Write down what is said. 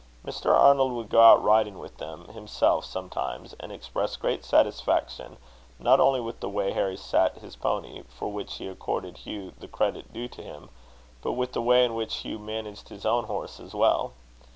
Mr. Arnold would go out riding with them himself sometimes, and express great satisfaction, not only with the way Harry sat his pony, for which he accorded Hugh the credit due to him, but with the way in which Hugh managed his own horse as well.